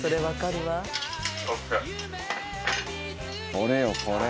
「これよこれ」